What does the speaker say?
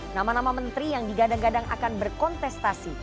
nama nama menteri yang digadang gadang akan berkontestasi